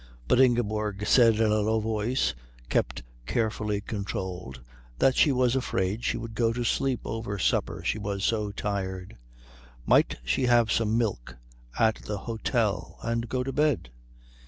But Ingeborg said in a low voice, kept carefully controlled, that she was afraid she would go to sleep over supper she was so tired; might she have some milk at the hôtel and go to bed?